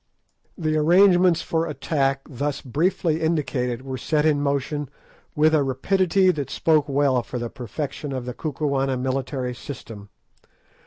The arrangements for attack thus briefly indicated were set in motion with a rapidity that spoke well for the perfection of the Kukuana military system.